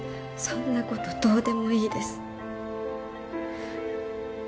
そんなことどうでもいいです。